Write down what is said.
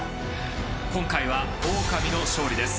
今回はオオカミの勝利です。